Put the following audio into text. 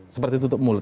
seperti tutup mulut